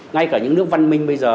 ngay cả những nước văn minh bây giờ